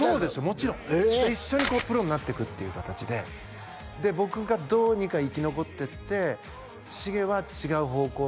もちろん一緒にこうプロになっていくっていう形でで僕がどうにか生き残っていってしげは違う方向